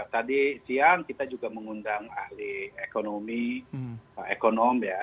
tadi siang kita juga mengundang ahli ekonomi ekonom ya